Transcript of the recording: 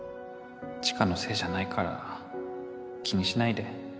知花のせいじゃないから気にしないで